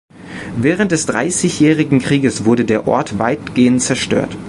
Während des Dreißigjährigen Krieges wurde der Ort weitgehend zerstört.